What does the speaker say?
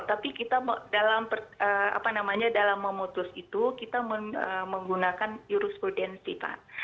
tapi kita dalam memutus itu kita menggunakan jurisprudensi pak